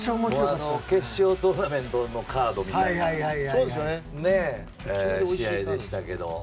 決勝トーナメントのカードみたいな試合で。